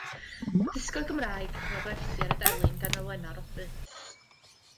Dysgodd Gymraeg a chafodd wersi ar y delyn gan Alwena Roberts.